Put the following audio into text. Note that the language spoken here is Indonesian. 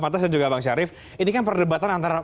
dan juga bang syarif ini kan perdebatan antara